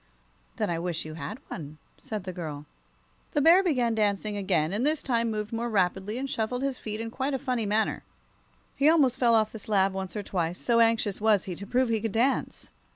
"Then I wish you had one," said the girl. The Bear began dancing again, and this time he moved more rapidly and shuffled his feet in quite a funny manner. He almost fell off the slab once or twice, so anxious was he to prove he could dance.